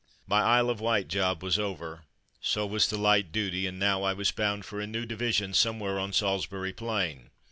My Isle of Wight job was over; so was the light duty, and now I was bound for a new division somewhere on Salisbury Plain.